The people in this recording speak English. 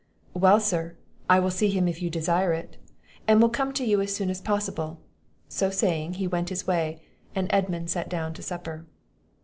"Well, Sir, I will see him if you desire it; and I will come to you as soon as possible." So saying, he went his way, and Edmund sat down to supper.